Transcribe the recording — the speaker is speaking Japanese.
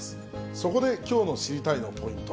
そこできょうの知りたいッ！のポイント。